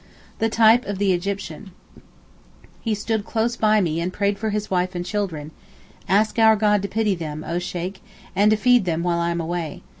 The type of the Egyptian. He stood close beside me and prayed for his wife and children. 'Ask our God to pity them, O Sheykh, and to feed them while I am away.